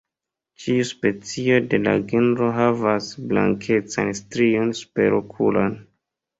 Ĉiuj specioj de la genro havas blankecan strion superokulan.